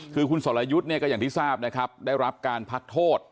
คือคุณสรยุทธก็อย่างที่ทิศาพท์ได้รับการพลักโทษ